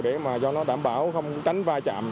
để cho nó đảm bảo không tránh va chạm